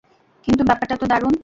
কিন্তু ব্যাপারটা তো দারুণ।